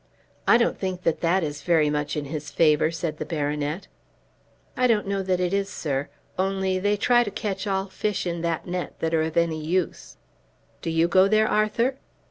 "I don't think that that is very much in his favour," said the baronet. "I don't know that it is, sir; only they try to catch all fish in that net that are of any use." "Do you go there, Arthur?"